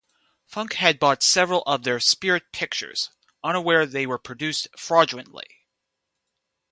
Funk had bought several of their 'spirit' pictures, unaware they were produced fraudulently.